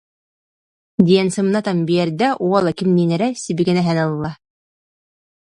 диэн сымнатан биэрдэ, уола кимниин эрэ сибигинэһэн ылла